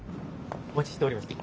お待ちしておりました。